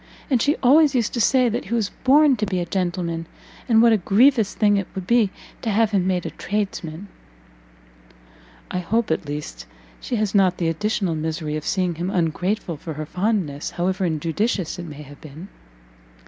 And she always used to say that he was born to be a gentleman, and what a grievous thing it would be to have him made a tradesman." "I hope, at least, she has not the additional misery of seeing him ungrateful for her fondness, however injudicious it may have been?"